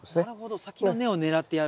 先の根を狙ってやる。